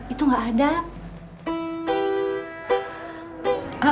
itu gak ada